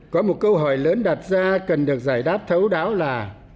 có một câu hỏi lớn đặt ra cần được giải đáp thấu đáo là